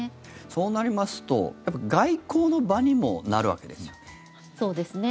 そうなりますと外交の場にもなるわけですよね。